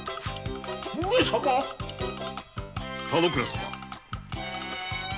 田之倉様